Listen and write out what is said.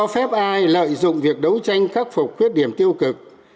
phép ai lợi dụng việc đấu tranh khắc phục khuyết điểm tiêu cực